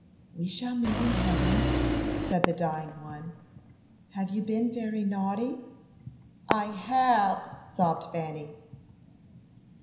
"We shall meet in heaven," said the dying one. "Have you been very naughty?" "I have," sobbed Fanny.